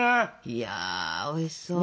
いやおいしそう。